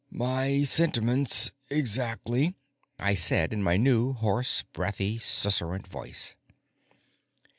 "My sentiments exactly," I said in my new hoarse, breathy, susurrant voice.